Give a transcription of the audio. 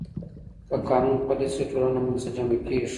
که قانون پلی شي، ټولنه منسجمه کېږي.